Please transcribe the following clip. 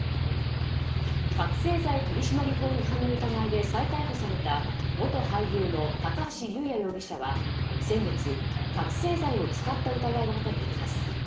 覚醒剤取締法違反の疑いで再逮捕された元俳優の高橋祐也容疑者は先月覚醒剤を使った疑いが持たれています。